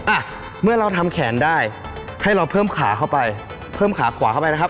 อ่ะเมื่อเราทำแขนได้ให้เราเพิ่มขาเข้าไปเพิ่มขาขวาเข้าไปนะครับ